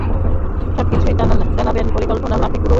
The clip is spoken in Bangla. সবকিছুই জনাবের পরিকল্পনা মাফিক এগোচ্ছে।